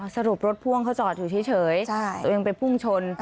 สรุปรถพ่วงเขาจอดอยู่เฉยตัวเองไปพุ่งชน